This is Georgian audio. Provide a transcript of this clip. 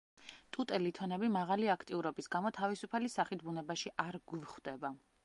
ტუტე ლითონები მაღალი აქტიურობის გამო თავისუფალი სახით ბუნებაში არ გვხვდება.